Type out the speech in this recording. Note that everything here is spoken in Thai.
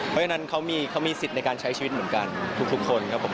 เพราะฉะนั้นเขามีสิทธิ์ในการใช้ชีวิตเหมือนกันทุกคนครับผม